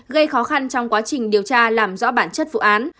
gây khó khăn trong quá trình điều tra làm rõ bản chất vụ án